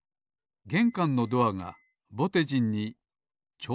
げんかんのドアがぼてじんにちょうどのサイズ。